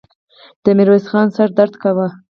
د ميرويس خان سر درد کاوه.